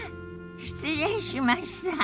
失礼しました。